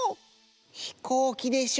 ひこうきでしょ